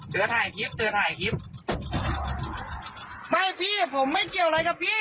เธอถ่ายคลิปเธอถ่ายคลิปไม่พี่ผมไม่เกี่ยวอะไรกับพี่